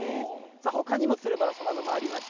ほかにもつるバラ、さまざまありました。